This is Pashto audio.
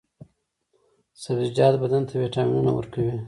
سبزیجات بدن ته ویټامینونه ورکوي.